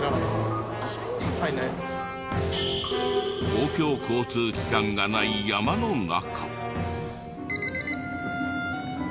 公共交通機関がない山の中。